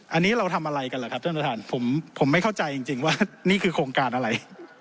อันนี้เราทำอะไรกันเหรอครับท่านประธานผมไม่เข้าใจจริงว่านี่คือโครงการอะไร